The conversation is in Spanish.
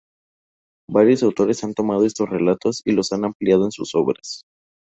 Varios autores han tomado estos relatos y los han ampliado en sus obras.